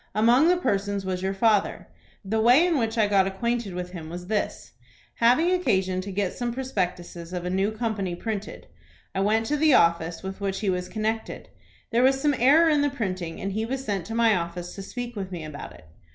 Among the persons was your father. The way in which I got acquainted with him was this: Having occasion to get some prospectuses of a new company printed, I went to the office with which he was connected. There was some error in the printing, and he was sent to my office to speak with me about it.